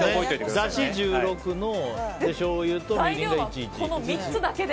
だし１６のしょうゆとみりんが１：１。